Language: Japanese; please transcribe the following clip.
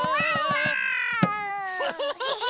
ウフフフ！